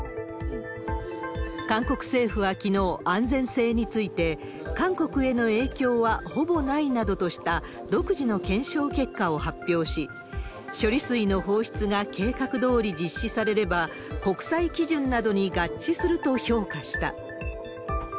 韓国政府はきのう、安全性について、韓国への影響はほぼないなどとした、独自の検証結果を発表し、処理水の放出が計画どおり実施されれば、国際基準などに合致すると評価した。